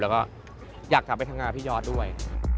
แล้วก็อยากจะไปทำงานกับพี่ยอดด้วย